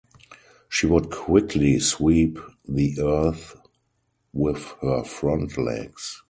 She would quickly sweep the earth with her front legs.